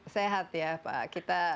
sehat ya pak